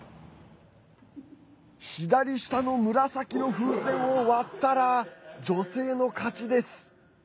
左下の紫の風船を割ったら女性の勝ちです。